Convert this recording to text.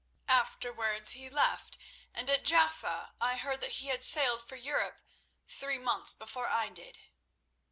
Afterwards he left, and at Jaffa I heard that he had sailed for Europe three months before I did."